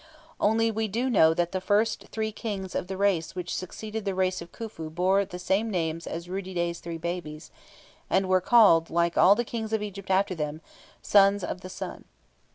Only we do know that the first three Kings of the race which succeeded the race of Khufu bore the same names as Rud didet's three babies, and were called, like all the Kings of Egypt after them, "Sons of the Sun."